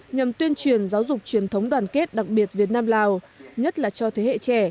nhằm tuyên truyền giáo dục truyền thống đoàn kết đặc biệt việt nam lào nhất là cho thế hệ trẻ